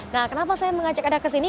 nah kenapa saya mengajak anda ke sini